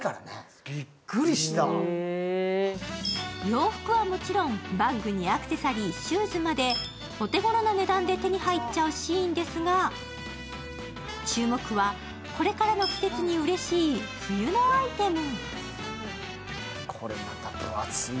洋服はもちろん、バッグにアクセサリー、シューズまでお手ごろな値段で手に入っちゃうＳＨＥＩＮですが、注目はこれからの季節にうれしい冬のアイテム。